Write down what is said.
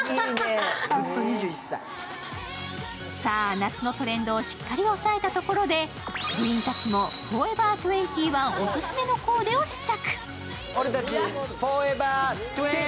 夏のトレンドをしっかり押さえたところで、部員たちもＦＯＲＥＶＥＲ２１おすすめのコーデを試着。